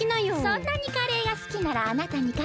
そんなにカレーがすきならあなたにかけてあげる。